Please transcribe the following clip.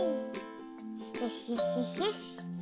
よしよしよしよし。